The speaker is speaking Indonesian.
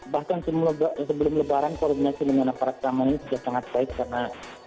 bahkan sebelum lebaran koordinasi dengan aparat keamanannya juga sangat baik karena